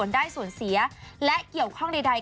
ได้ส่วนเสียและเกี่ยวข้องใด